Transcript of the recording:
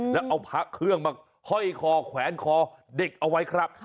แล้วเอาพระเครื่องมาห้อยคอแขวนคอเด็กเอาไว้ครับ